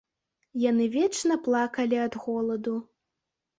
Яны вечна плакалі ад голаду.